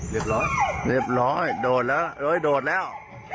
เรียบร้อยโดดแล้ว